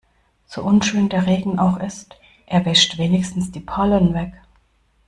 So unschön der Regen auch ist, er wäscht wenigstens die Pollen weg.